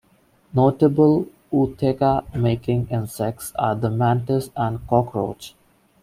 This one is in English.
Notable ootheca-making insects are the mantis and cockroach.